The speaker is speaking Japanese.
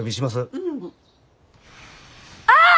うん。あっ！